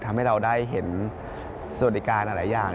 ทำให้เราได้เห็นสวัสดิการหลายอย่าง